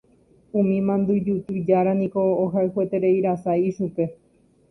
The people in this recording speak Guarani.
Umi mandyjuty jára niko ohayhuetereirasa ichupe.